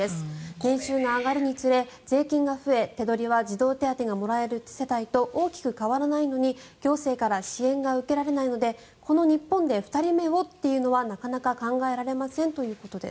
年収が上がるにつれ、税金が増え手取りは児童手当がもらえる世帯と大きく変わらないのに行政から支援が受けられないのでこの日本で２人目をっていうのはなかなか考えられませんということです。